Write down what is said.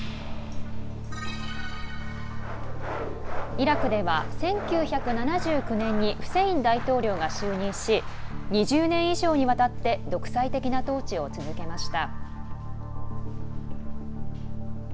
イラクでは１９７９年にフセイン大統領が就任し２０年以上にわたって独裁的な統治を続けました。